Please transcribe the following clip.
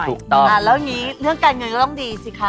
ถูกต้องแล้วอย่างนี้เรื่องการเงินก็ต้องดีสิคะ